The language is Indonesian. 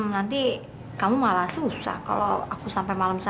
nanti kamu malah susah kalau aku sampai malam